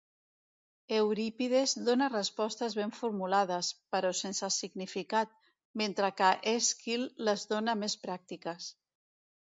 Eurípides dóna respostes ben formulades, però sense significat, mentre que Èsquil les dóna més pràctiques.